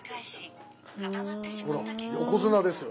ほら横綱ですよ。